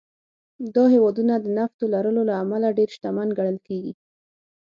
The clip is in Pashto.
دا هېوادونه د نفتو لرلو له امله ډېر شتمن ګڼل کېږي.